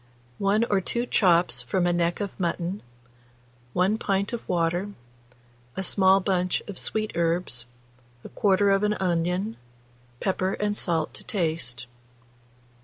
1 or 2 chops from a neck of mutton, 1 pint of water, a small bunch of sweet herbs, 1/4 of an onion, pepper and salt to taste.